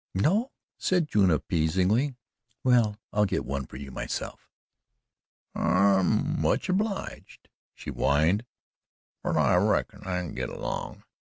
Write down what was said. "No?" said June appeasingly. "Well, I'll get one for you myself." "I'm much obleeged," she whined, "but I reckon I can git along."